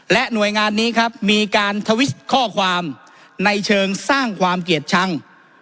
หน่วยงานนี้ครับมีการทวิตข้อความในเชิงสร้างความเกลียดชัง